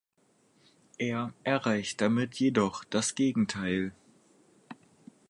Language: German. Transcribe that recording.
Er erreicht damit jedoch das Gegenteil.